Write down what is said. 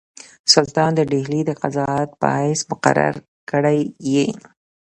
سلطان د ډهلي د قاضي په حیث مقرر کړی یې.